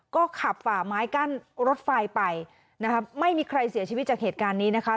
ก็ขับฝ่าไม้กั้นรถไฟไปนะคะไม่มีใครเสียชีวิตจากเหตุการณ์นี้นะคะ